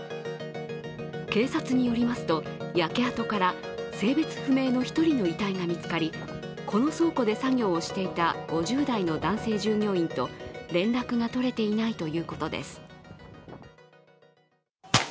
警察によりますと、焼け跡から性別不明の１人の遺体が見つかり、この倉庫で作業をしていた５０代の男性従業員と連絡が取れていないということです。